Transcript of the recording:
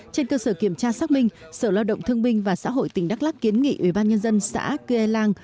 trên cơ sở kiểm tra xác minh sở lao động thương minh và xã hội tỉnh đắk lắk kiến nghị ủy ban nhân dân xã cư ê làng